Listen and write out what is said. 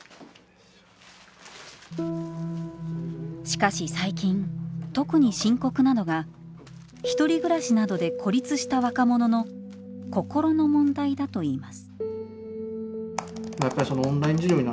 しかし最近特に深刻なのが一人暮らしなどで孤立した若者の心の問題だといいます。